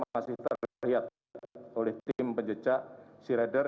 masih terlihat oleh tim penjejak sea rider